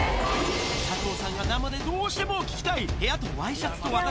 佐藤さんが生でどうしても聴きたい部屋とＹシャツと私。